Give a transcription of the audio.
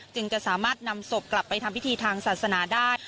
จึงจะสามารถนำศพกลับไปทำพิธีทางศาสนาได้